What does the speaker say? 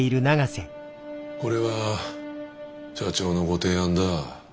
これは社長のご提案だ。